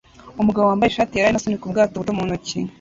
Umugabo wambaye ishati yera arimo asunika ubwato buto mu ntoki